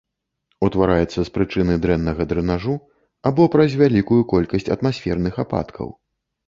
Утвараецца з прычыны дрэннага дрэнажу або праз вялікую колькасць атмасферных ападкаў.